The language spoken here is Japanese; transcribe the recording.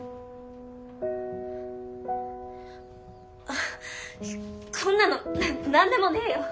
あっこんなの何でもねえよ。